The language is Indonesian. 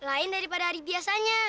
lain daripada hari biasanya